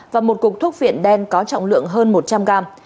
và một cục thuốc phiện đen có trọng lượng hơn một trăm linh gram